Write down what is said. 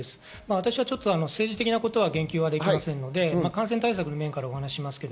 私は政治的なことは言及できませんので感染対策の面からお話しします。